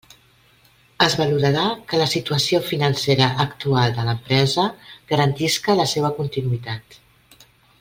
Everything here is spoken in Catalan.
Es valorarà que la situació financera actual de l'empresa garantisca la seua continuïtat.